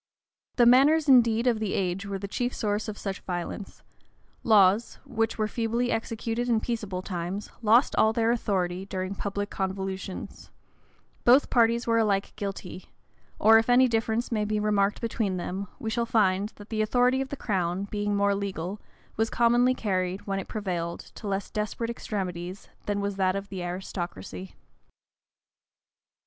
The manners indeed of the age were the chief source of such violence: laws, which were feebly executed in peaceable times, lost all their authority during public convulsions: both parties were alike guilty: or, if any difference may be remarked between them, we shall find, that the authority of the crown, being more legal, was commonly carried, when it prevailed, to less desperate extremities, than was that of the aristocracy.